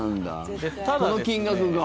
この金額が。